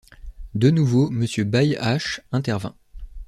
De nouveau, Monsieur Baillehache intervint.